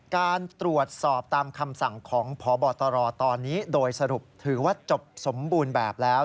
การตรวจสอบตามคำสั่งของพบตรตอนนี้โดยสรุปถือว่าจบสมบูรณ์แบบแล้ว